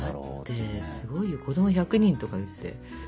だってすごいよ子供１００人とかって。